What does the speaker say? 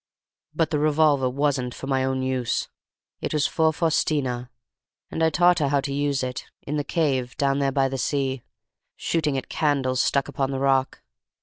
But the revolver wasn't for my own use. It was for Faustina, and I taught her how to use it in the cave down there by the sea, shooting at candles stuck upon the rock.